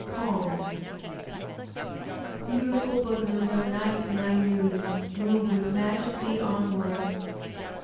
II Calm Beautiful bosomed, O night, in thy noon Move with majesty onward!